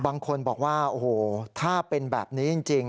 บางคนบอกว่าโอ้โหถ้าเป็นแบบนี้จริง